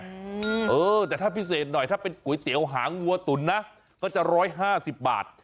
เออแต่ถ้าพิเศษหน่อยถ้าเป็นก๋วยเตี๋ยวหางวัวตุ๋นนะก็จะ๑๕๐บาท